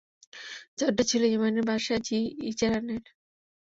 চাদরটি ছিল ইয়ামেনের বাদশাহ যি-ইয়াযানের।